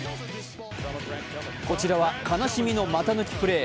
こちらは悲しみの股抜きプレー。